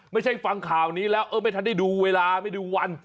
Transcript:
ไม่ใช่ฟังข่าวนี้แล้วไม่ทันได้ดูเวลาไม่ได้ดูวัน